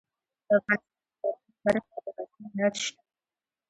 د افغانستان په لرغوني تاریخ کې د غزني ولایت شتون لري.